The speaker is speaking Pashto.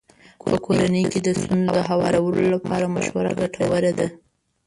په کورنۍ کې د ستونزو هوارولو لپاره مشوره ګټوره ده.